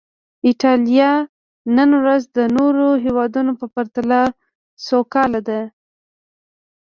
ایټالیا نن ورځ د نورو هېوادونو په پرتله سوکاله ده.